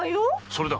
それだ！